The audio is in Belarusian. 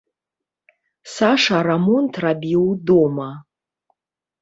Саша рамонт рабіў дома.